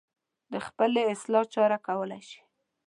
د خپلې اصلاح چاره کولی شي.